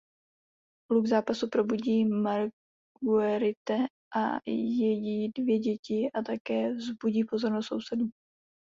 Hluk zápasu probudí Marguerite a její dvě děti a také vzbudí pozornost sousedů.